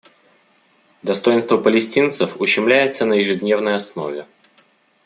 Достоинство палестинцев ущемляется на ежедневной основе.